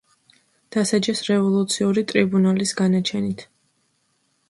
დასაჯეს რევოლუციური ტრიბუნალის განაჩენით.